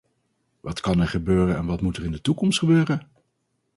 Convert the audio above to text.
Wat kan er gebeuren en wat moet er in de toekomst gebeuren?